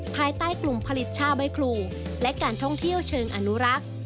ภายใต้กลุ่มผลิตชาใบครูและการท่องเที่ยวเชิงอนุรักษ์